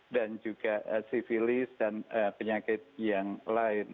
dan juga sivilis dan penyakit yang lain